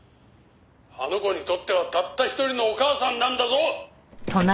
「あの子にとってはたった一人のお母さんなんだぞ！」